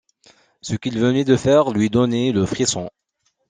Ce qu’il venait de faire lui donnait le frisson.